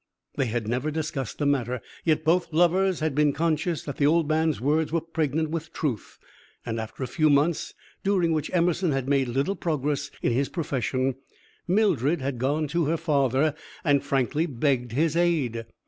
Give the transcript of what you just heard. They had never discussed the matter, yet both the lovers had been conscious that the old man's words were pregnant with truth, and after a few months, during which Emerson had made little progress in his profession, Mildred had gone to her father and frankly begged his aid.